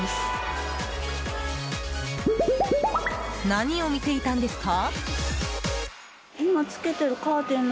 何を見ていたんですか？